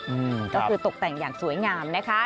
อืมก็คือตกแต่งอย่างสวยงามนะคะ